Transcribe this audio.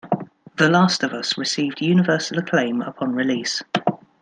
"The Last of Us" received universal acclaim upon release.